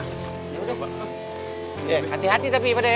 hati hati tapi pada ya